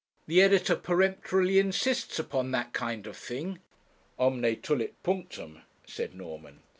The editor peremptorily insists upon that kind of thing.' 'Omne tulit punctum,' said Norman.